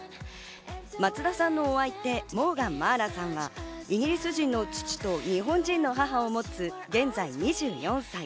松田さんのお相手、モーガン茉愛羅さんはイギリス人の父と日本人の母を持つ現在２４歳。